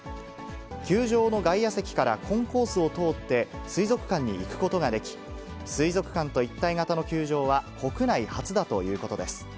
球場の外野席からコンコースを通って水族館に行くことができ、水族館と一体型の球場は、国内初だということです。